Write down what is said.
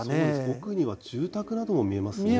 奥には住宅なども見えますね。